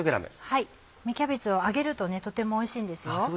芽キャベツは揚げるととてもおいしいんですよ。